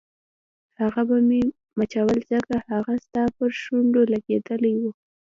هغه به مې مچول ځکه هغه ستا پر شونډو لګېدلي وو.